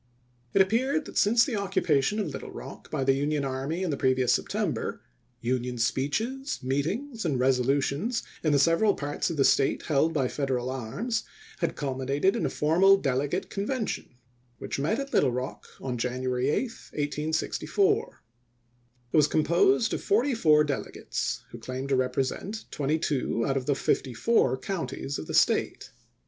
It appeared that since the occupation of Little Rock by the Union army in the previous September, 414 ABRAHAM LINCOLN CHAP. XVI. Union speeches, meetings, and resolutions, in the several parts of the State held by Federal arms, had culminated in a formal delegate Convention, which met at Little Rock on January 8, 1864. It was composed of forty four delegates who claimed to represent twenty two out of the fifty four coun ties of the State.